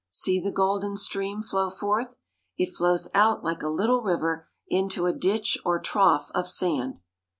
See the golden stream flow forth. It flows out like a little river into a ditch or trough of sand.